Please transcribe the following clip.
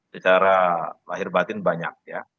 secara lahir batin banyak ya